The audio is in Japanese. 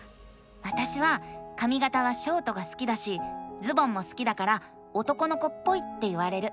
わたしはかみがたはショートが好きだしズボンも好きだから男の子っぽいって言われる。